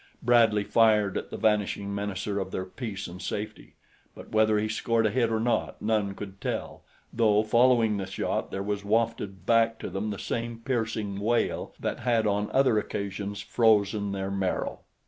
Bradley fired at the vanishing menacer of their peace and safety; but whether he scored a hit or not, none could tell, though, following the shot, there was wafted back to them the same piercing wail that had on other occasions frozen their marrow.